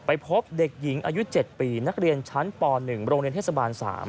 พบเด็กหญิงอายุ๗ปีนักเรียนชั้นป๑โรงเรียนเทศบาล๓